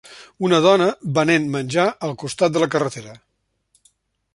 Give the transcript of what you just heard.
Una dona venent menjar al costat de la carretera